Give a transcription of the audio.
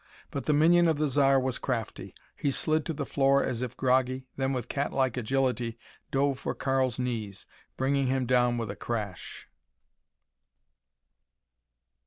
But the minion of the Zar was crafty. He slid to the floor as if groggy, then with catlike agility, dove for Karl's knees, bringing him down with a crash.